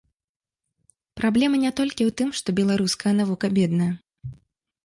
Праблема не толькі ў тым, што беларуская навука бедная.